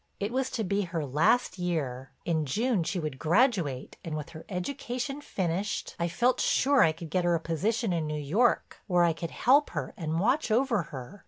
It was to be her last year; in June she would graduate and with her education finished, I felt sure I could get her a position in New York where I could help her and watch over her.